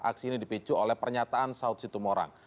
aksi ini dipicu oleh pernyataan saud situ morang